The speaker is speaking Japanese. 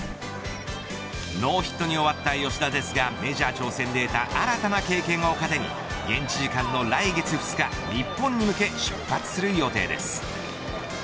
ノーヒットに終わった吉田ですがメジャー挑戦で得た新たな経験を糧に現地時間の来月２日日本に向け出発する予定です。